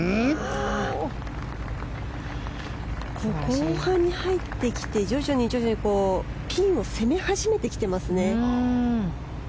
後半に入ってきて徐々に徐々にピンを攻め始めてきていますね。